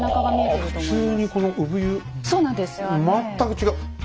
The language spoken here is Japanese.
全く違う。